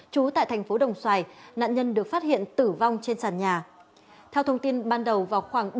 trú tại thành phố đồng xoài nạn nhân được phát hiện tử vong trên sàn nhà theo thông tin ban đầu vào khoảng